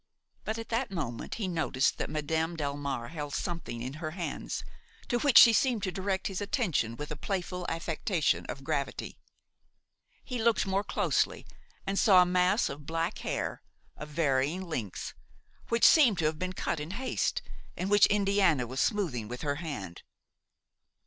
But at that moment he noticed that Madame Delmare held something in her hands to which she seemed to direct his attention with a playful affectation of gravity. He looked more closely and saw a mass of black hair, of varying lengths, which seemed to have been cut in haste, and which Indiana was smoothing with her hand.